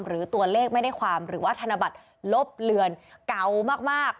หรือตัวเลขไม่ได้ความหรือว่าธนบัตรลบเลือนเก่ามาก